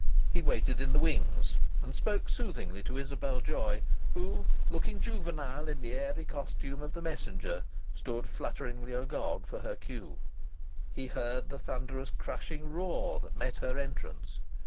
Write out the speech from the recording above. He waited in the wings, and spoke soothingly to Isabel Joy, who, looking juvenile in the airy costume of the Messenger, stood flutteringly agog for her cue.... He heard the thunderous crashing roar that met her entrance.